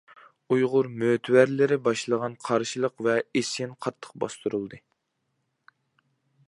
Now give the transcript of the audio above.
ئۇيغۇر مۆتىۋەرلىرى باشلىغان قارشىلىق ۋە ئىسيان قاتتىق باستۇرۇلدى.